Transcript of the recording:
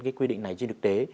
cái quy định này trên thực tế